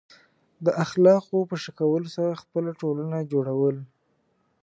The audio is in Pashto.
د اخلاقو په ښه کولو سره خپل ټولنه جوړول.